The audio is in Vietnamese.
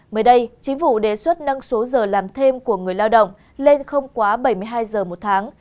mới đây chính phủ đề xuất nâng số giờ làm thêm của người lao động lên không quá bảy mươi hai giờ một tháng